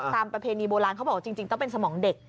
ประเพณีโบราณเขาบอกว่าจริงต้องเป็นสมองเด็ก